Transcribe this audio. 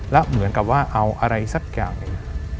แล้วเหมือนกับว่าเอาอะไรสักอย่างขึ้นด้วยดี